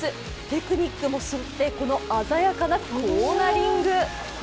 テクニックもすごくてこの鮮やかなコーナリング。